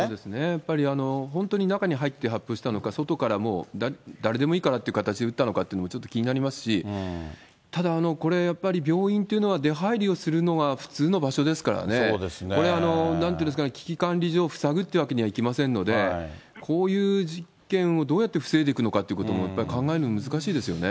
やっぱり本当に中に入って発砲したのか、外から誰でもいいからという形で撃ったのかって、ちょっと気になりますし、ただこれ、やっぱり病院というのは出はいりをするのが普通の場所ですからね、これ、なんて言うんですかね、危機管理上、塞ぐというわけにはいきませんので、こういう事件をどうやって防いでいくのかということも、やっぱり考えるの難しいですよね。